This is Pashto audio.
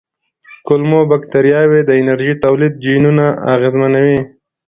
کولمو بکتریاوې د انرژۍ تولید جینونه اغېزمنوي.